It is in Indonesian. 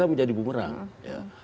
itu menjadi bumerang gitu buat kita lihat